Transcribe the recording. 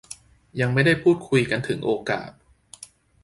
ยังได้พูดคุยกันถึงโอกาส